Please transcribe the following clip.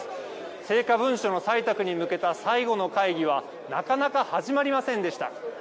成果文書の採択に向けた最後の会議は、なかなか始まりませんでした。